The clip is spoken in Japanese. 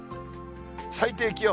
最低気温。